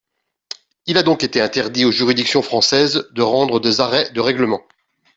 Il a donc été interdit aux juridictions françaises de rendre des arrêts de règlement.